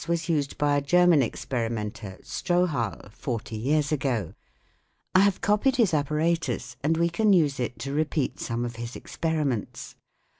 SOUNDS OF THE COUNTRY A frame used by a German experimenter, Strouhal, forty years ago. I have copied his apparatus, and we can use it to repeat some of his experiments.